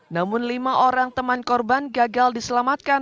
namun lima orang teman korban gagal diselamatkan